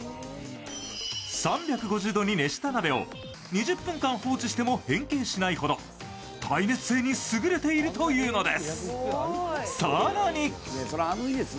３５０度に熱した鍋を２０分間放置しても変形しないほど耐熱性に優れているというのです。